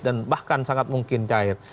dan bahkan sangat mungkin cair